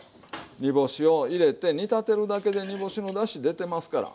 煮干しを入れて煮立てるだけで煮干しのだし出てますから。